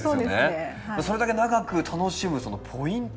それだけ長く楽しむポイント